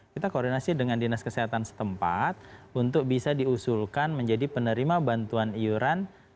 kita koordinasi dengan dinas kesehatan setempat untuk bisa diusulkan menjadi penerima bantuan iuran